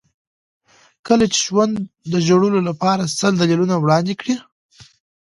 کله چې ژوند د ژړلو لپاره سل دلیلونه وړاندې کړي.